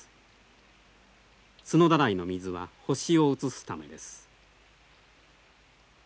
角だらいの水は星を映すためです。